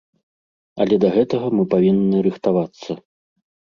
Але да гэтага мы павінны рыхтавацца.